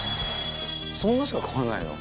そんなしか変わらないの？